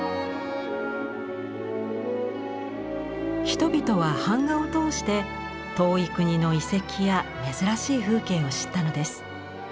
人々は版画を通して遠い国の遺跡や珍しい風景を知ったのです。